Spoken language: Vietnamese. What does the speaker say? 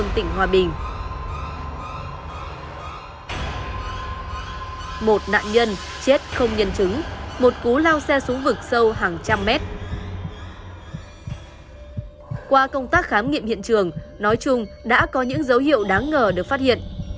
qua công tác khám nghiệm hiện trường nói chung đã có những dấu hiệu đáng ngờ được phát hiện